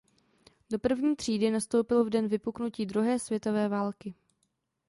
Do první třídy nastoupil v den vypuknutí druhé světové války.